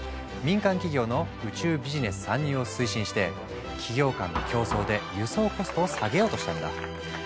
民間企業の宇宙ビジネス参入を推進して企業間の競争で輸送コストを下げようとしたんだ。